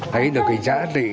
thấy được cái giá trị